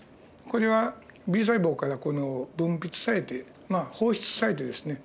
これはＢ細胞から分泌されてまあ放出されてですね